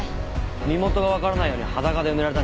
身元がわからないように裸で埋められたんじゃないか？